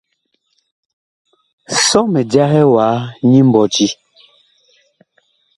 Sɔ mi jahɛ wa nyi mbɔti.